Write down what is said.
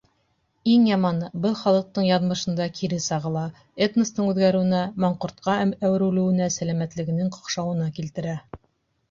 Иң яманы — был халыҡтың яҙмышында кире сағыла, этностың үҙгәреүенә, маңҡортҡа әүерелеүенә, сәләмәтлегенең ҡаҡшауына килтерә.